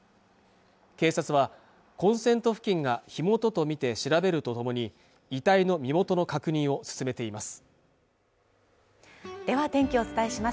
警察はコンセント付近が火元とみて調べるとともに遺体の身元の確認を進めていますでは天気をお伝えします